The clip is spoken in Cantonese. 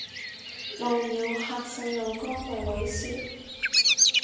露鳥嚇細路哥咪猥褻